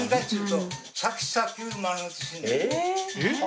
えっ？